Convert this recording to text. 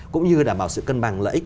cũng như đảm bảo sự cân bằng lợi ích